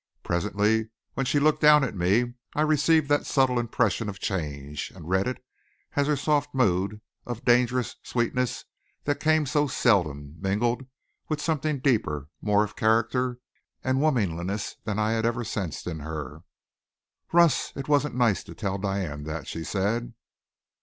Presently, when she looked down at me, I received that subtle impression of change, and read it as her soft mood of dangerous sweetness that came so seldom, mingled with something deeper, more of character and womanliness than I had ever sensed in her. "Russ, it wasn't nice to tell Diane that," she said.